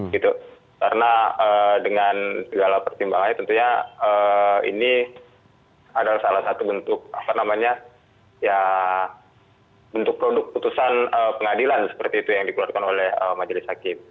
karena dengan segala pertimbangannya tentunya ini adalah salah satu bentuk apa namanya bentuk produk putusan pengadilan seperti itu yang dikeluarkan oleh majelis hakim